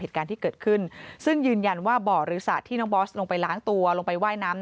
แต่ว่าให้ไปหลังบอสเถอะ